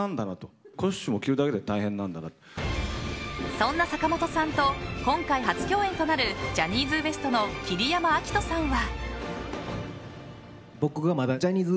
そんな坂本さんと今回、初共演となるジャニーズＷＥＳＴの桐山照史さんは。